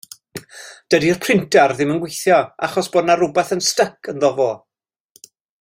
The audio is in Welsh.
Dydi'r printar ddim yn gweithio achos bod 'na rywbath yn styc ynddo fo.